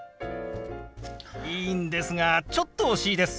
いいんですがちょっと惜しいです。